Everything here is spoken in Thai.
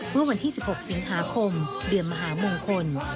เมื่อวันที่๑๖สิงหาคมเดือนมหามงคล